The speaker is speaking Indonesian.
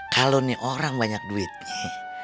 kalo nih orang banyak duitnya